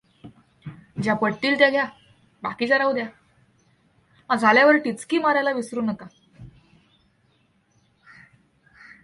ज्या पटतील त्या घ्या बाकीच्या राहू द्या झाले वर टिचकी मारायला विसरू नका.